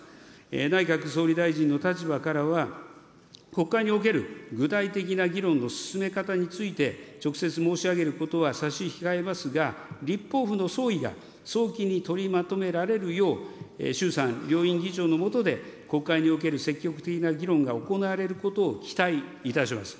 内閣総理大臣の立場からは、国会における具体的な議論の進め方について、直接申し上げることは差し控えますが、立法府の総意が早期に取りまとめられるよう衆参両院議長の下で国会における積極的な議論が行われることを期待いたします。